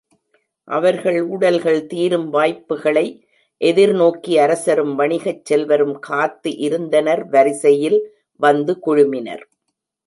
அவர்கள் ஊடல்கள் தீரும் வாய்ப்புகளை எதிர்நோக்கி அரசரும் வணிகச் செல்வரும் காத்து இருந்தனர் வரிசையில் வந்து குழுமினர்.